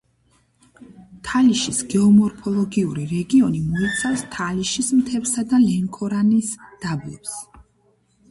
თალიშის გეომორფოლოგიური რეგიონი მოიცავს თალიშის მთებსა და ლენქორანის დაბლობს.